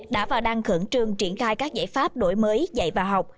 đã vào đăng khẩn trương triển khai các giải pháp đổi mới dạy và học